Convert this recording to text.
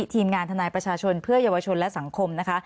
ทีมงานทนายประชาชนเพื่อเยาวชนและสังคมนะคะ